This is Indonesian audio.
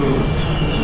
sampai jumpa lagi